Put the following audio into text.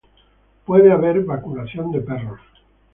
Puede haber vacunación de perros.